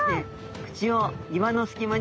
口を岩の隙間に。